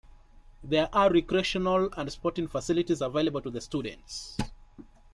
There are recreational and sporting facilities available to the students.